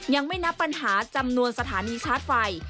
ยังไม่นับปัญหาจำนวนสถานีชาร์จไฟ